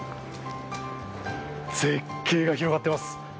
絶景が広がっています。